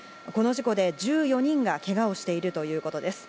この事故で１４人がけがをしているということです。